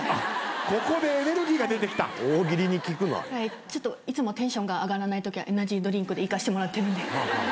ここでエネルギーが出てきた⁉ちょっといつもテンションが上がらないときはエナジードリンクでいかしてもらってるんで。